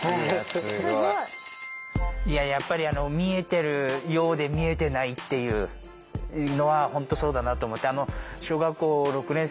すごい。いややっぱり見えてるようで見えてないっていうのは本当そうだなと思って。